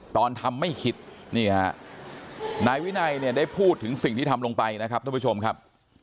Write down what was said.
ตอนทำไม่คิดนี่ฮะนายวินัยเนี่ยได้พูดถึงสิ่งที่ทำลงไปนะครับท่านผู้ชมครับ